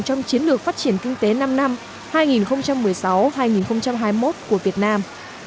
trong chiến lược phát triển kinh tế năm năm của việt nam